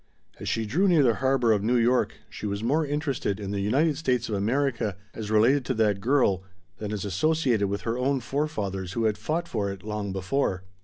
As she drew near the harbor of New York she was more interested in the United States of America as related to that girl than as associated with her own forefathers who had fought for it long before.